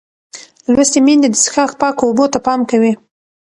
لوستې میندې د څښاک پاکو اوبو ته پام کوي.